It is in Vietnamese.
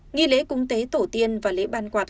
nghi lễ cúng tế tổ tiên và lễ ban quạt